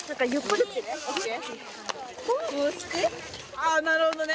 あなるほどね。